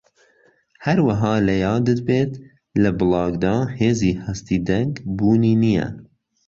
هەروەها لەیادت بێت لە بڵاگدا هێزی هەستی دەنگ بوونی نییە